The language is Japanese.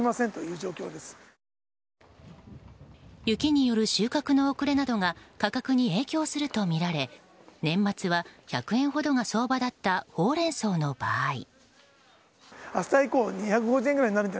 雪による収穫の遅れなどが価格に影響するとみられ年末は１００円ほどが相場だったホウレンソウの場合。